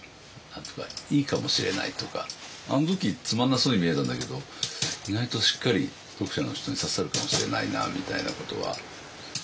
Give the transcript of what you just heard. いいかもしれないとかあの時つまらなそうに見えたんだけど意外としっかり読者の人に刺さるかもしれないなみたいなことは。